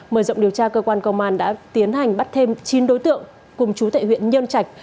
mời rộng điều tra cơ quan công an đã tiến hành bắt thêm chín đối tượng cùng chú tại huyện nhân trạch